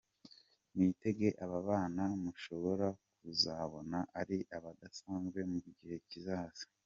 Mwitege aba bana mushobora kuzababona ari abadasanzwe mu gihe kizaza.